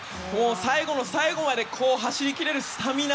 最後の最後まで走り切れるスタミナ。